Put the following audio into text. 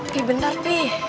pih bentar pih